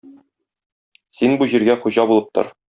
Син, бу җиргә хуҗа булып тор.